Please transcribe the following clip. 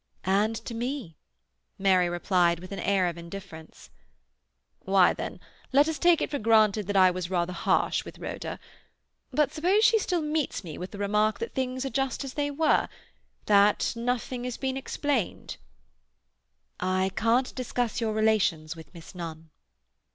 "And to me," Mary replied with an air of indifference. "Well, then, let us take it for granted that I was rather harsh with Rhoda. But suppose she still meets me with the remark that things are just as they were—that nothing has been explained?" "I can't discuss your relations with Miss Nunn."